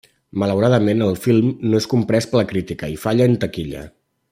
Malauradament, el film no és comprès per la crítica i falla en taquilla.